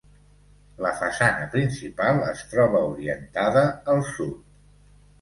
La façana principal es troba orientada al sud.